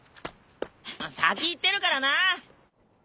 先行ってるからな！